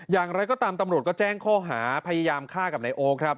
อย่างไรก็ตามตำรวจก็แจ้งข้อหาพยายามฆ่ากับนายโอ๊คครับ